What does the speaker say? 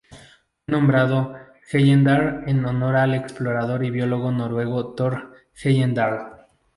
Fue nombrado Heyerdahl en honor al explorador y biólogo noruego Thor Heyerdahl.